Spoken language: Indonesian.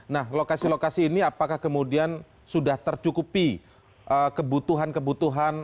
nah lokasi lokasi ini apakah kemudian sudah tercukupi kebutuhan kebutuhan